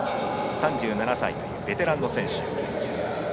３７歳、ベテランの選手。